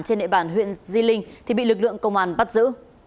trên địa bàn huyện di linh thì bị lực lượng công an bắt giữ